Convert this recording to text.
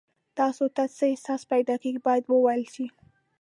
تاسو ته څه احساس پیدا کیږي باید وویل شي.